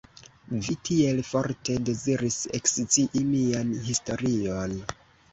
Vi tiel forte deziris ekscii mian historion.